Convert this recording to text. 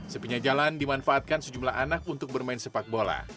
sepinya jalan dimanfaatkan sejumlah anak untuk bermain sepak bola